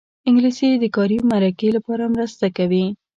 انګلیسي د کاري مرکې لپاره مرسته کوي